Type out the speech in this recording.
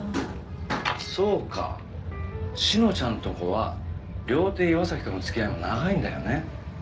あっそうか志乃ちゃんとこは料亭岩崎との付き合いも長いんだよね？